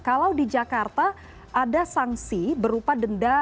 kalau di jakarta ada sanksi berupa denda